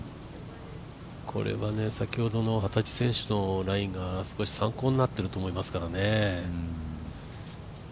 これは先ほどの幡地選手のラインは参考になってると思いますからね。